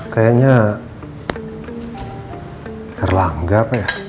kayaknya erlangga apa ya